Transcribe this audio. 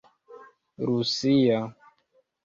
rusia